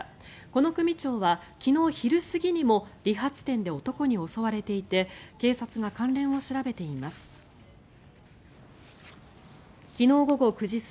この組長は昨日昼過ぎにも理髪店で男に襲われていて警察が関連を調べています。